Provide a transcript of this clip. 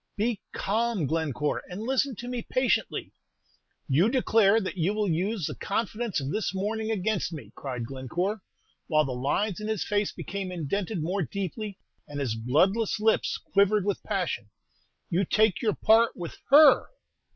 "Be calm, Glencore, and listen to me patiently." "You declare that you will use the confidence of this morning against me!" cried Glencore, while the lines in his face became indented more deeply, and his bloodless lips quivered with passion. "You take your part with _her!